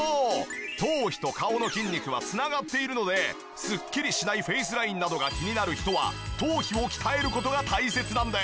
頭皮と顔の筋肉は繋がっているのでスッキリしないフェイスラインなどが気になる人は頭皮を鍛える事が大切なんです。